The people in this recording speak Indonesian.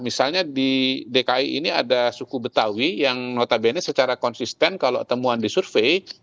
misalnya di dki ini ada suku betawi yang notabene secara konsisten kalau temuan di survei